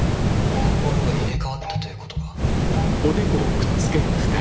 心が入れ代わったということか。